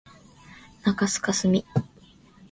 中須かすみ